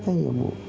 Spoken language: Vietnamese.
cái nhiệm vụ